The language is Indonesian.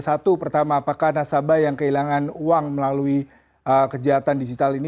satu pertama apakah nasabah yang kehilangan uang melalui kejahatan digital ini